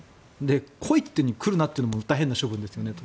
来いって言っているのに来るなというのも変な処分ですよねと。